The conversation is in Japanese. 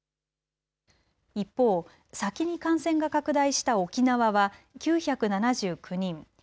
一方、先に感染が拡大した沖縄は９７９人。